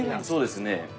そうですね。